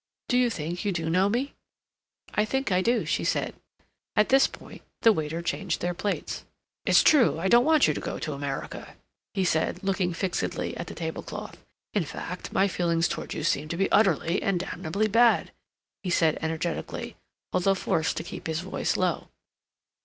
Do you think you do know me?" "I think I do," she said. At this point the waiter changed their plates. "It's true I don't want you to go to America," he said, looking fixedly at the table cloth. "In fact, my feelings towards you seem to be utterly and damnably bad," he said energetically, although forced to keep his voice low.